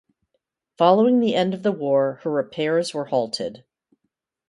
Following the end of the war, her repairs were halted.